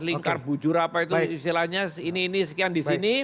lingkar bujur apa itu istilahnya ini ini sekian di sini